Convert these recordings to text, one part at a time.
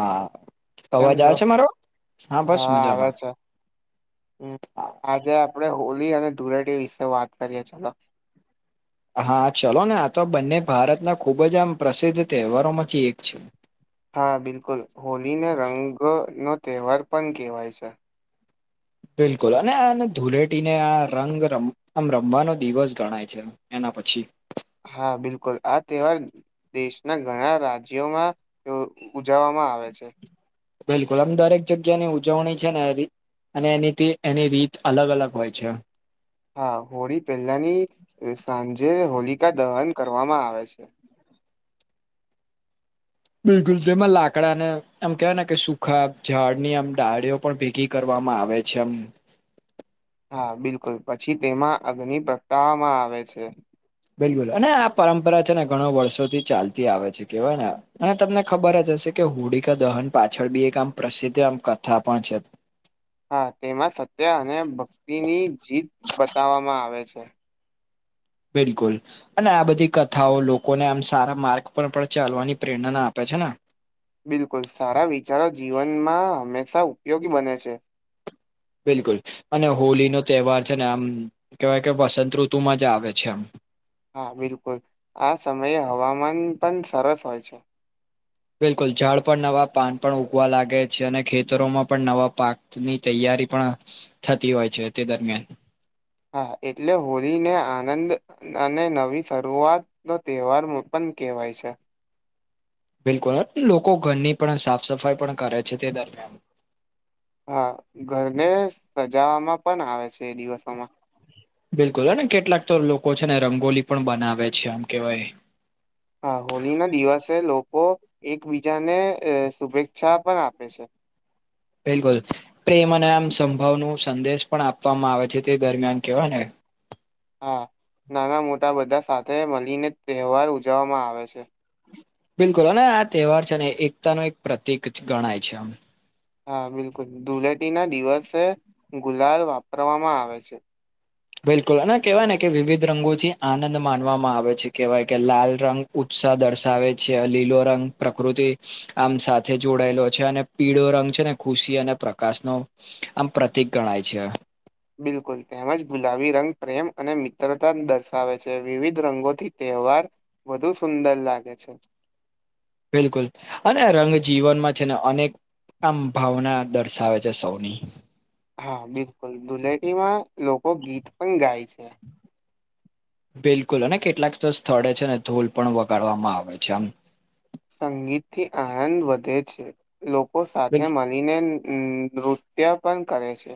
હા કેમ અવાજ છો આવે છે મારો હા બસ આવે મજામાં છે હમ આજે આપડે હોલી અને ધુરાટી વિશે વાત કરીએ ચલો હા ચલો ને આ તો બંને ભારતના ખૂબ જ આમ પ્રસિદ્ધ તહેવારો માંથી એક છે. હા બિલકુલ હોળને રંગ નો તહેવાર પણ કહેવાય છે. બિલકુલ અને આ ધૂલેટીને આ રંગ આમ રમવાનો દિવસ ગણાય છે એના પછી હા બિલકુલ આ તહેવાર દેશના ઘણા રાજ્યોમાં ઉજવવામાં આવે છે. બિલકુલ આમ દરેક જગ્યાની ઉજવણી છે ને હરી અને એની એની રીત અલગ અલગ હોય છે હા હોળી પહેલાની સાંજે હોલિકા દહન કરવામાં આવે છે બિલકુલ જેમાં લાકડા ને એમ કેવાય ને કે સુખા ઝાડ ની આમ ડાળીઓ પણ ભેગી કરવામાં આવે છે એમ હા બિલકુલ પછી તેમાં અગ્નિ પ્રગટાવવામાં આવે છે. બિલકુલ અને આ પરંપરા છે ને ઘણો વર્ષો થી ચાલતી આવે છે કેવાય ને અને તમને ખબર જ હશે કે હોડીકા દહન પાછળ બી એક આમ પ્રસિદ્ધ આમ કથા પણ છે હા તેમાં સત્ય અને ભક્તિની જીત બતાવવામાં આવે છે બિલકુલ અને આ બધી કથાઓ લોકોને આમ સારા માર્ગ પર પણ ચાલવાની પ્રેરણાના આપે છે ને. બિલકુલ, સારા વિચારો જીવનમાં હમેશા ઉપયોગી બને છે. બિલકુલ, અને હોલીનો તહેવાર છે ને, આમ કેવાય કે વસંત ઋતુમાં જ આવે છે એમ. હા બિલકુલ, આ સમયે હવામાન પણ સરસ હોય છે. બિલકુલ, ઝાડ પર નવા પાન પણ ઉગવા લાગે છે, અને ખેતરોમાં પણ નવા પાકની તૈયારી પણ થતી હોય છે તે દરમિયાન. હા, એટલે હોળીને આનંદ અને નવી શરૂઆત નો તહેવાર મુખપણ કેહેવાય છે. બિલકુલ, અને લોકો ઘરની પણ સાફ સફાઈ પણ કરે છે તે દરમિયાન. હા ઘરને સજાવામાં પણ આવે છે એ દિવસોમાં. બિલકુલ, અને કેટલાક તો લોકો છેને રંગોલી પણ બનાવે છે, આમ કેવાય. હા હોલી ના દિવસે લોકો એકબીજાને અ શુભેચ્છા પણ આપે છે. બિલકુલ, પ્રેમ અને આમ સંભાવનુ સંદેશ પણ આપવામાં આવે છે તે દરમિયાન, કેવાય ને. હા, નાના મોટા બધા સાથે મળીને તહેવાર ઉજવવામાં આવે છે. બિલકુલ, અને આ તહેવાર છે ને એકતા નો એક પ્રતિક છ ગણાય છે એમ. હા બિલકુલ, ધુલેટી ના દિવસે ગુલાલ વાપરવામાં આવે છે. બિલકુલ, અને કહેવાય ને કે વિવિધ રંગોથી આનંદ માનવામાં આવે છે, કેહેવાય કે લાલ રંગ ઉત્સાહ દર્શાવે છે, લીલો રંગ પ્રકૃતિ આમ સાથે જોડાયેલો છે, અને પીળો રંગ છે ને ખુશી અને પ્રકાશ નો આમ પ્રતિક ગણાય છે. બિલકુલ, તેમજ ગુલાબી રંગ પ્રેમ અને મિત્રતા દર્શાવે છે, વિવિધ રંગોથી તહેવાર વધુ સુંદર લાગે છે. બિલકુલ, અને રંગ જીવનમાં છે ને અનેક આમ ભાવના દર્શાવે છે સૌની. હા બિલકુલ, ધુલેટીમાં લોકો ગીત પણ ગાય છે. બિલકુલ, અને કેટલાક તો સ્થળે છે ને ઢોલ પણ વગાડવામાં આવે છે આમ. સંગીત થી આહન વધે છે, લોકો સાથે બિલ મળ ળીને ન નૃત્ય પણ કરે છે.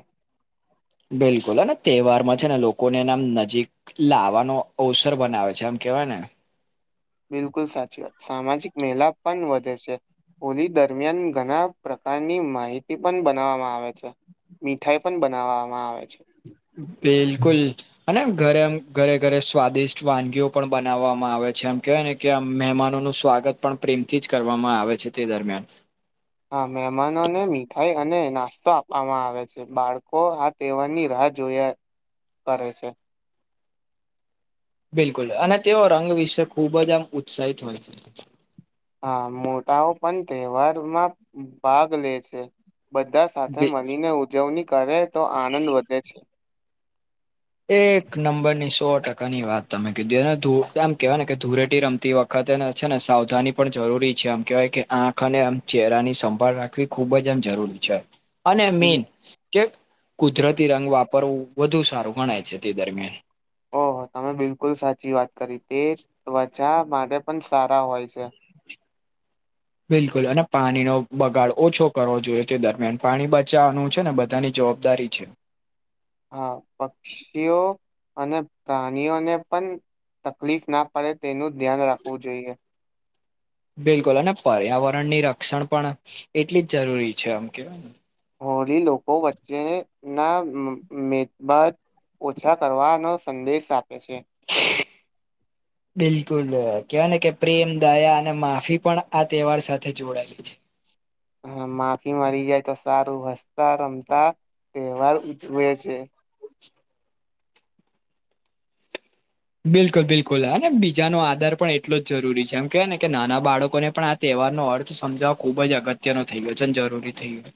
બિલકુલ, અને તહેવારમાં છે ને લોકોને એનેમ નજીક લાવાનો અવસર બનાવે છે, એમ કેવાય ને. બિલકુલ સાચી વાત, સામાજિક મેલા પણ વધે છે. હોલી દરમિયાન ઘણા પ્રકારની માહિતી પણ બનાવવામાં આવે છે. મીઠાઈ પણ બનાવવામાં આવે છે. બિલકુલ. અને આમ ઘરે આમ ઘરે ઘરે સ્વાદિષ્ટ વાનગીઓ પણ બનાવવામાં આવે છે, એમ કેવાય ને કે આમ મહેમાનોનું સ્વાગત પણ પ્રેમથી જ કરવામાં આવે છે તે દરમિયાન. હા મહેમાનોને મીઠાઈ અને નાસ્તો આપવામાં આવે છે, બાળકો હાથ તેવાર ની રાહ જોયા કરે છે. બિલકુલ, અને તેઓ રંગ વિશે ખુબ જ આમ ઉત્સાહિત હોય છે. હા, મોટાઓ પણ તહેવારમાં ભાગ લે છે, બધા સાથે બિ મનીને ઉજવણી કરે, તો આનંદ વધે છે. એક નંબરની સો ટકાની વાત તમે કીધી, અને ધુ આમ કેહેવા ને કે ધૂરેટી રમતી વખ ખતે છેને સાવધાની પણ જરૂરી છે, આમ કહેવાય કે આંખ અને આમ ચહેરાની સંભાળ રાખ વી ખૂબ જ એમ જરૂરી છે. અને બિલ મેન, કે કુદરતી રંગ વાપરવું વધુ સારું ગણાય છે તે દરમિયાન. ઓહો તમે બિલકુલ સાચી વાત કરી, તે ત્વચા માટે પણ સારા હોય છે. બિલકુલ, અને પાણીનો બગાડ ઓછો કરવો જોઈએ તે દરમિયાન, પાણી બચાવવાનું છે ને બધાની જોબ દારી છે. હા, પક્ષીઓ અને પ્રાણીઓને પણ. તકલીફ ના પડે તેનું ધ્યાન રાખવું જોઈએ. બિલકુલ, અને પર્યાવરણની રક્ષણ પણ એટલી જ જરૂરી છે આમ કેવાય ને. હોળી લોકો વચ્ચે ના મેદ બાદ-' ઓછા કરવાનો સંદેશ આપે છે. બિલકુલ કેવાય ને કે પ્રેમ, દયા અને માફી પણ આ તહેવાર સાથે જોડાયેલી છે. હ માફી મળી જાય તો સારું હસતા રમતા તહેવાર ઉજવે છે. બિલકુલ બિલકુલ હા અને બીજાનો આધાર પણ એટલો જરૂરી છે એમ કહેવાય ને કે નાના બાળકોને પણ આ તહેવાર નનો અર્થ સમજાવવા ખુબ જ અગત્યનોો થઈ ગયો છેન જરૂરી થઈ ગયો.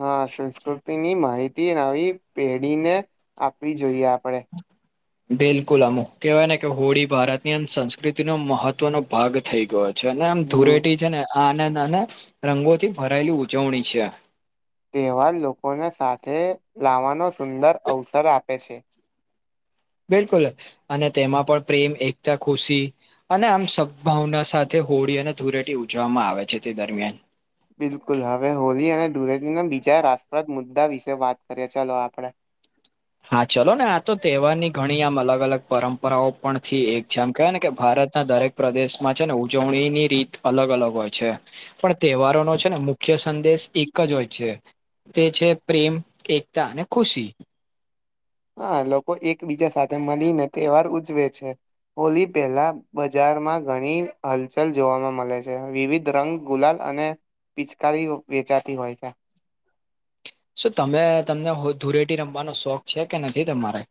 હા સંસ્કૃતિની માહિતી ન આવી પેઢીને આપવી જોઈએ આપણે. બિલકુલ અમુક કહેવાય ને કે હોળી ભારતનીમ સંસ્કૃતિનો મહત્વનો ભાગ થઈ ગયો છે. છે ને આમ ધૂરેટી છે ને આને નાને રંગોથી ભરાયેલી ઉજવણી છે. તહેવાર લોકોને સાથે લાવવાનો સુંદર અવસર આપે છે. બિલકુલ અને તેમાં પણ પ્રેમ એકતા ખુશી અને આમ સદભાવના સાથે હોળી અને ધુરેટી ઉજવવામાં આવે છે તે દરમિયાન. બિલકુલ હવે હોળી અને ધુળેટૂ ના બીજા રસપ્રદ મુદ્દા વિશે વાત કરીએ ચલોો આપડે હા ચલો ને આ તો તહેવારની ઘણી આમ અલગ અલગ પરંપરાઓ પણ થી એક છે આમ કહેવાય ને કે ભારતના દરેક પ્રદેશમાં છે ને ઉજવણી ની રીત અલગ અલગ હોય છે. પણ તહેવારો નો છે ને મુખ્ય સંદેશ એક જ હોય છે. તે છે પ્રેમ એકતા અને ખુશી. હા લોકો એકબીજા સાથે મળીને તહેવાર ઉજવે છે. હોલી પહેલા બજારમાં ઘણી હલચલ જોવાવામાં મળે છે. વિવિધ રંગ ગુલાલ અને પિચકારી વેચાતી હોય છે. શ તમે તમને ધૂરેટી રમવાનો શોખ છે કે નથી તમારે?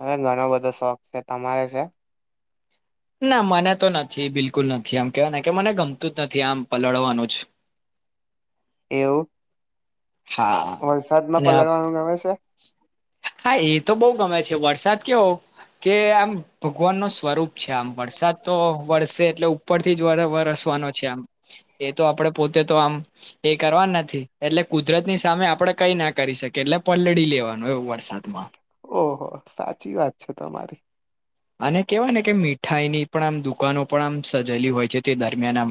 હવે ઘણો બધો શોખ છે. તમારે છે? ના મને તો નથી બિલકુલ નથી આમ કેવાય કે મને ગમતું જ નથી આમ પલળવાનું જ. એવું? હા વલસાદમાં અને આપ પલળવાનું ગમે છે.? હા એ તો બહુ ગમે છે. વરસાદ કેવો કે આમ ભગવાન ન સ્વરૂપ છે. આમ વરસાદ તો વરસે એટલે ઉપરથી જ વરસવાનો છે આમ એ તો આપડ પોતે તો આમ એ કરવા નથી એટલે કુદરતની સામે આપડે કઈ ના કરી શકી એટલે પલળી લેવાનું. વરસાદ માં ઓહો સાચી વાત છે તમારી. અને કેવાય ને કે મીઠાઈ ની પણ આમ દુકાનો પણ આમ સજેલી હોય છે તે દરમિયાન આમ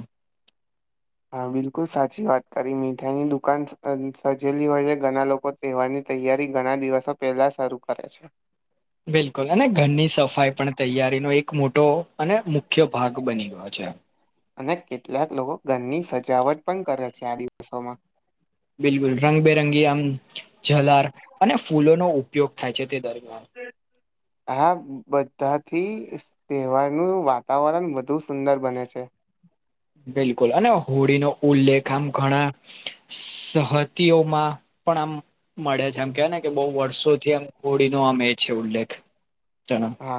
હા બિલકુલ સાચી વાત કરી મીઠાઈની દુકાન સજેલી હોય છે ઘણા લોકો તેવાની તૈયારી ઘણા દિવસો પહેલા શરૂ કરે છે. બિલકુલ અને ઘરની સફાઈ પણ તૈયારીનો એક મોટો અને મુખ્ય ભાગ બની. અચ્છા! અને કેટલાક લોકો ઘરની સજાવટ પણ કરે છે આ દિવસોમાં. બિલકુલ રંગબેરંગી આમ જલાર અને ફૂલોનોો ઉપયોગ થાય છે તે દરમિયાન. હમ [inaudible] હા બધાથી તહેવારનું વાતાવરણ વધુ સુંદર બને છે. બિલકુલ અને હોડી નો ઉલ્લેખ આમ ઘણા સહતીઓમાં પણ આમ મળે છે એમ કેવા ને કે બહુ વર્ષોથી એમ કોોડીનોો આમ એ છે ઉલ્લેખ, હા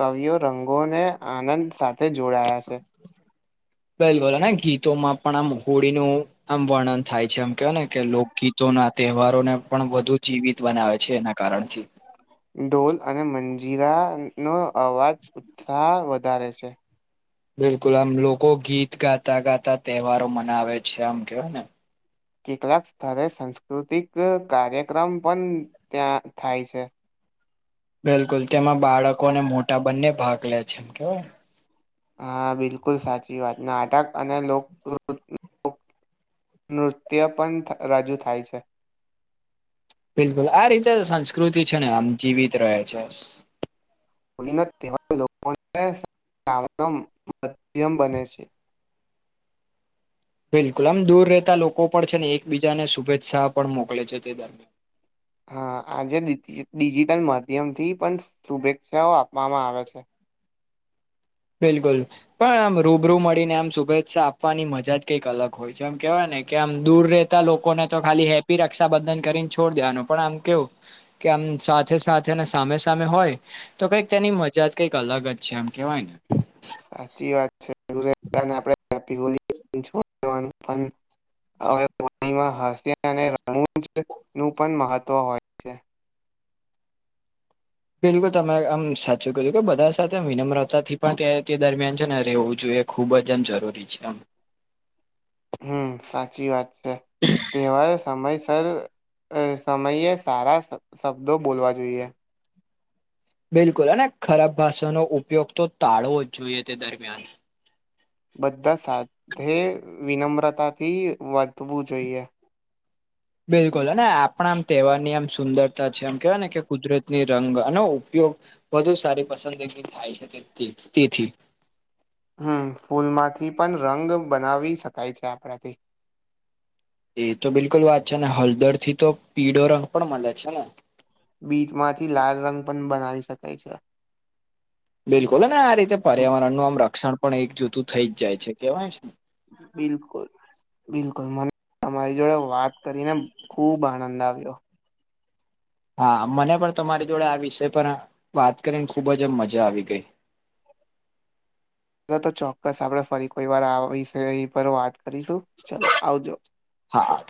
કવિઓ રંગોને આનંદ સાથે જોડાયા છે. બિલ બોલ ગીતોમાં પણ આમ ફોળીનું' આમ વર્ણન થાય છે એમ કેવાય ને કે લોકગીતો ના તહેવારોને પણ વધુ જીવિત બનાવે છે એના કારણ છે, ઢોલ અને મંજીરાનોો અવાજ ઉત્સાહ વધારે છે. બિલકુલ આમ લોકો ગીત ગાતા ગાતા તહેવારો મનાવે છે આમ કેવાય. કેટલાક સ્તરે સાંસ્કૃતિક કાર્યક્રમ પણ ત્યાં થાય છે બિલકુલ તેમાં બાળકોને મોટા બંને ભાગ લે છે એમ કેવ હા બિલકુલ સાચી વાત નાટક અને લોકૃત નૃત્ય પણ રજૂ થાય છે બિલકુલ આ રીતે સંસ્કૃતિ છે ને આમ જીવીિત રહે છે. ને તહેવા લોકોને મધ્યમ બને છે બિલકુલ આમ દૂર રહેતા લોકો પણ છે ને એકબીજાને શુભેચ્છા પણ મોકલે છે તે દરમિયાન હા આજે ડિજિટલ માધ્યમથી પણ શુભેચ્છાઓ આપવામાં આવે છે બિલકુલ પણ આમ રૂબરૂ મળીને આમ શુભેચ્છા આપવાની મજા જ કંઈક અલગ હોય છે એમ કેહેવાય ને કે આમ દૂર ર લોકોને તો ખાલી હેપી રક્ષાબંધન કરીને છોડ દેવાનું પણ આમ કેવું કે આમ સાથે સાથે સામે સામે હોય તો કઈક તેની મજા જ કંઈક અલગ જ છે એમ કેવાય ને સાચી વાત છે હવેણી હાસ અને રુંજ નું પણ મહત્વ હોય છે બિલકુલ તમે આમ સાચું કજો કે બધા સાથે વિનમ્રતાથી પણ દરમિયાન છે ને રહેવું જોઈએ ખૂબ જ એમ જરૂરી છે આમ હમ સાચી વાત છે તહેવાર સમયસર અ સમયે સારા શબ્દો બોલવા જોઈએ બિલકુલ અને ખરાબ ભાષાનો ઉપયોગ તો ટાળવો જ જોઈએ તે દરમિયાન બધા સાથે વિનમ્રતાથી વધવું જોઈએ બિલકુલ અને આપણા આમ તહેવારની આમ સુંદરતા છે એમ કેહેવાય ને કે કુદરતની રંગ અને ઉપયોગ વધુ સારી પસંદ એક થાય છે તે તેથી હમ ફૂલમાંથી પણ રંગ બનાવી શકાય છે આપણાથી એ તો બિલકુલ વાત છે ને હળદર થી તો પીળો રંગ પણ મળે છે ને બીચમાંથી લાલ રંગ પણ બનાવી શકાય છે બિલકુલ અને આ રીતે પર્યાવરણ ન આમ રક્ષણ પણ એક જુતું થઈ જ જાય છે કેવાય છે બિલકુલ બિલકુલ મને તમારી જોડે વાત કરીને ખુબ આનંદ આવ્યો હા મને પણ તમારી જોડે આ વિષય પર વાત કરીને ખૂબ જ મજા આવી ગઈ ન તો ચોક્કસ આપડે ફરી કોઈ વાર વિશે પર વાત કરીશું ચલો આવજો હાા